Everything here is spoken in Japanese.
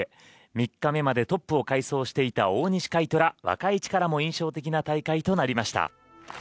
３日目までトップを快走していた大西魁斗ら若い力も印象的な大会となりました。